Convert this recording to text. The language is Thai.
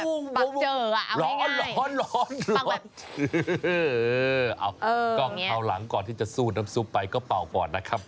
เอาง่ายง่ายร้อนร้อนร้อนเออเออเอาหลังก่อนที่จะสู้น้ำซุปไปก็เป่าก่อนนะครับ